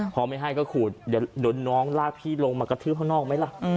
พอไม่ให้ก็ขูดเดี๋ยวน้องลากพี่ลงมากระทืบข้างนอกไหมล่ะ